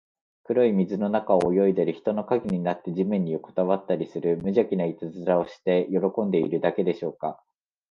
黒い水の中を泳いだり、人の影になって地面によこたわったりする、むじゃきないたずらをして喜んでいるだけでしょうか。